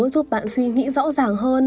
giúp bạn suy nghĩ rõ ràng hơn